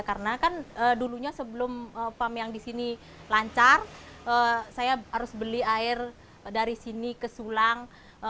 karena kan dulunya sebelum pam yang di sini lancar saya harus beli air dari sini ke sulang